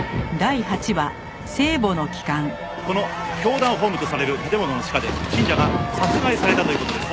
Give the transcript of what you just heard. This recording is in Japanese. この教団本部とされる建物の地下で信者が殺害されたという事です。